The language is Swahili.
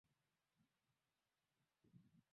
Tunaongozwa vizuri na rais.